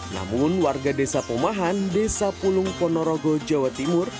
namun warga desa pomahan desa pulung ponorogo jawa timur